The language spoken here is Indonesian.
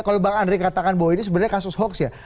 kalau bang andri katakan bahwa ini sebenarnya kasus hoax ya